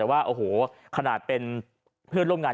แต่ว่าโอ้โหขนาดเป็นเพื่อนร่วมงาน